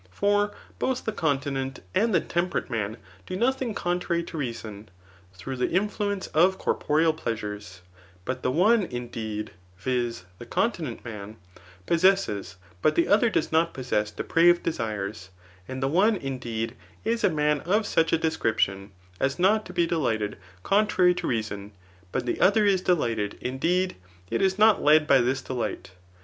For both the continent and the tem perate man, do nothing contrary to reason, through the influence of corporeal pleasures ; but the one, indeed, [viz. the continent man] possesses, but'the other does not possess depraved desires. And the one, indeed, is a man of such a description, as not to be delighted contrary to reason, but the other is delighted, indeed, yet is not led by this delight.